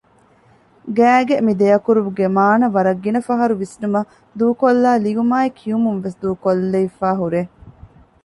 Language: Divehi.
ގައި ގެ މި ދެއަކުރުގެ މާނަ ވަރަށް ގިނަ ފަހަރު ވިސްނުމަށް ދޫކޮށްލައި ލިޔުމާއި ކިޔުމުންވެސް ދޫކޮށްލެވިފައި ހުރޭ